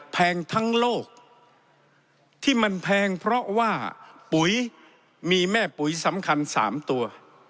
แพงทั้งโลกที่มันแพงเพราะว่าปุ๋ยมีแม่ปุ๋ยสำคัญ๓ตัว